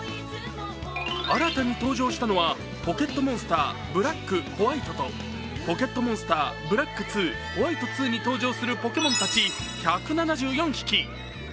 新たに登場したのは「ポケットモンスターブラック・ホワイト」と「ポケットモンスターブラック２・ホワイト２」に登場するポケモンたち１７４匹。